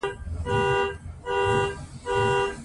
نه می له شپې نه له سبا سره پیمان کړی دی